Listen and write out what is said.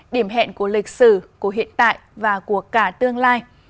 điểm hẹn của lịch sử của hiện tại và của cả tương lai